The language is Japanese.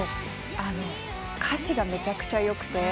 歌詞がめちゃくちゃよくて。